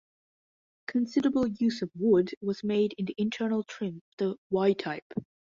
Considerable use of wood was made in the internal trim of the "Y" Type.